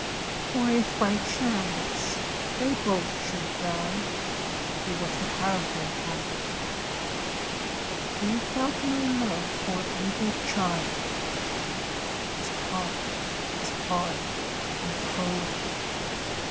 For if, by chance, they both should die, He was to have their gold; He felt no love for either child His heart was hard and cold.